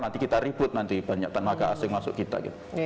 nanti kita ribut nanti banyak tenaga asing masuk kita